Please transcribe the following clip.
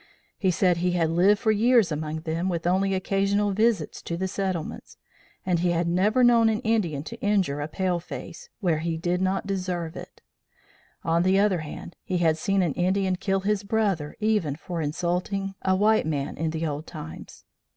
He said he had lived for years among them with only occasional visits to the settlements, and he had never known an Indian to injure a Pale Face, where he did not deserve it; on the other hand, he had seen an Indian kill his brother even for insulting a white man in the old times.